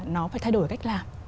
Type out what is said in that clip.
nó phải thay đổi cách làm